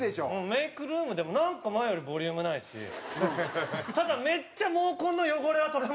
メイクルームでもなんか前よりボリュームないしただめっちゃ。